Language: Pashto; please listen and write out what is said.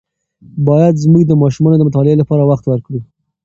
باید زموږ د ماشومانو د مطالعې لپاره وخت ورکړو.